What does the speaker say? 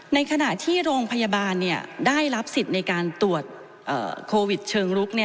ในขณะที่โรงพยาบาลได้รับสิทธิ์ในการตรวจโควิดเชิงรุก